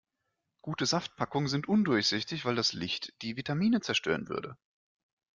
Gute Saftpackungen sind undurchsichtig, weil das Licht die Vitamine zerstören würde.